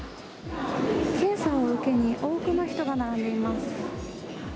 検査を受けに、多くの人が並んでいます。